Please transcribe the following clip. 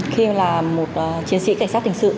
khi là một chiến sĩ cảnh sát hình sự